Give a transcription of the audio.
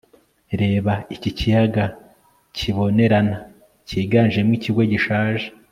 reba iki kiyaga kibonerana cyiganjemo ikigo gishaje